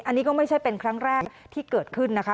อันนี้ก็ไม่ใช่เป็นครั้งแรกที่เกิดขึ้นนะคะ